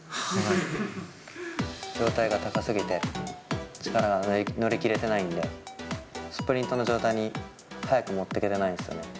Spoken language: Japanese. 上体が高すぎて、力が乗りきれてないんで、スプリントの上体に早く持っていけてないんですよね。